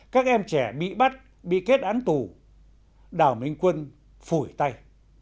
các em trẻ bị bắt bị kết án tù đảo minh quân phủi tay